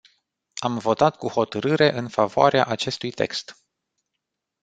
Am votat cu hotărâre în favoarea acestui text.